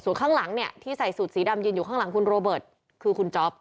ส่วนข้างหลังเนี่ยที่ใส่สูตรสีดำยืนอยู่ข้างหลังคุณโรเบิร์ตคือคุณจ๊อป